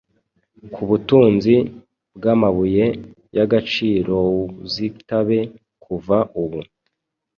Kubutunzi bwamabuye yagacirouzitabe kuva ubu